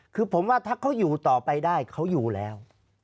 คือผมว่าถ้าเขาอยู่ต่อไปได้เขาอยู่แล้ว